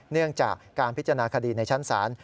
เนื่องจากการพิจารณาคดีในชั้นศาล